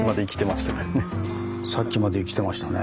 さっきまで生きてましたからね。